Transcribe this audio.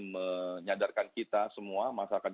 menyadarkan kita semua masyarakat